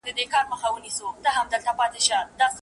ذهن مو د پوهي په رڼا پسوللی وساتئ.